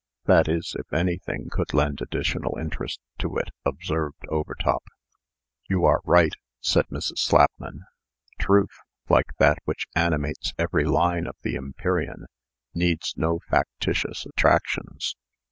"That is, if anything could lend additional interest to it," observed Overtop. "You are right," said Mrs. Slapman. "TRUTH, like that which animates every line of the 'Empyrean,' needs no factitious attractions.